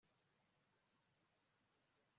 Nakekaga ko avuga ibinyoma ariko ntibyantangaje